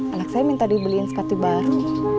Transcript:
anak saya minta dibeliin sekati baru